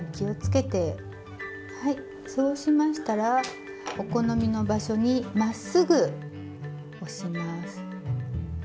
はいそうしましたらお好みの場所にまっすぐ押します。